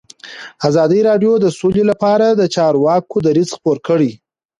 ازادي راډیو د سوله لپاره د چارواکو دریځ خپور کړی.